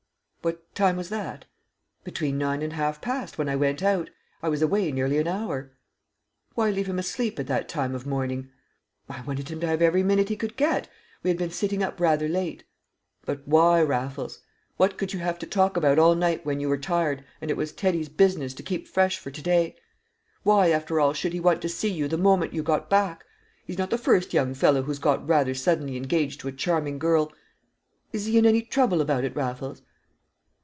"What time was that?" "Between nine and half past when I went out. I was away nearly an hour." "Why leave him asleep at that time of morning?" "I wanted him to have every minute he could get. We had been sitting up rather late." "But why, Raffles? What could you have to talk about all night when you were tired and it was Teddy's business to keep fresh for to day? Why, after all, should he want to see you the moment you got back? He's not the first young fellow who's got rather suddenly engaged to a charming girl; is he in any trouble about it, Raffles?"